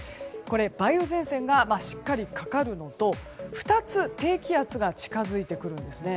梅雨前線がしっかりかかるのと２つ、低気圧が近づいてくるんですね。